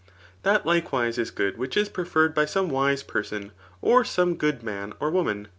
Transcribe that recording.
'' That likewise is good which is preferred by some wiae person, or some good man or woman.